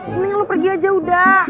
mendingan lu pergi aja udah